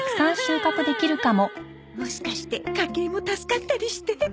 もしかして家計も助かったりして